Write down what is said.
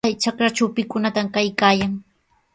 Chay trakratraw, ¿pikunataq kaykaayan?